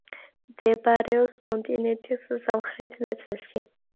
მდებარეობს კონტინენტის სამხრეთ ნაწილში.